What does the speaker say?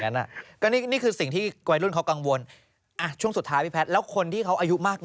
เอ้ยไม่ได้อีกอย่างเดียว